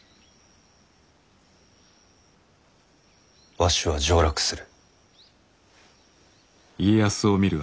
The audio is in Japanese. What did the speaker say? わしは上洛する。